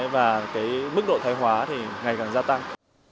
và cái mức độ thay hóa thì ngày càng gia tăng